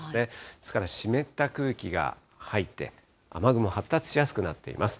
ですから湿った空気が入って、雨雲発達しやすくなっています。